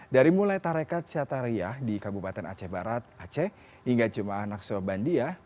dari mulai tarekat syatariyah di kabupaten aceh barat aceh hingga jemaah naksobandia